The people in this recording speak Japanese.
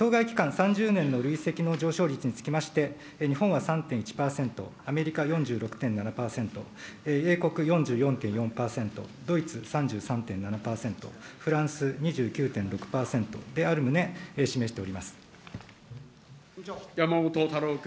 ３０年の累積の上昇率につきまして、日本は３．１％、アメリカ４６．７％、英国４４．４％、ドイツ３３．７％、フランス２９．６％である旨、山本太郎君。